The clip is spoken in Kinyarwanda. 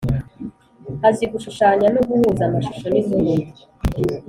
azi-gushushanya no guhuza amashusho n’inkuru;